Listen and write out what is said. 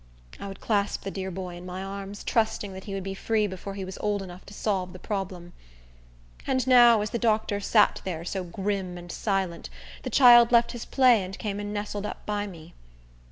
I would clasp the dear boy in my arms, trusting that he would be free before he was old enough to solve the problem. And now, as the doctor sat there so grim and silent, the child left his play and came and nestled up by me.